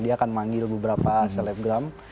dia akan manggil beberapa selebgram